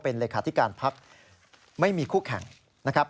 เป็นเลขาธิการพักไม่มีคู่แข่งนะครับ